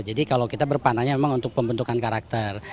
jadi kalau kita berpanahnya memang untuk pembentukan karakter